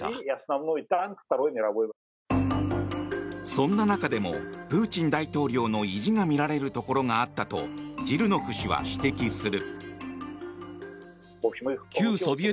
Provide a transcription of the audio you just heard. そんな中でもプーチン大統領の意地が見られるところがあったとジルノフ氏は指摘する。